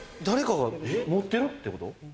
誰かが持ってるってこと？